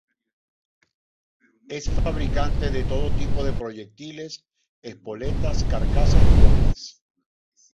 Es fabricante de todo tipo de proyectiles, espoletas, carcasas y bombas.